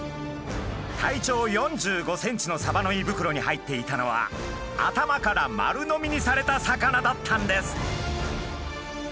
体長４５ｃｍのサバの胃袋に入っていたのは頭から丸飲みにされた魚だったんです。